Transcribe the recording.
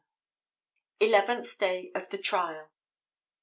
Eleventh Day of the Trial.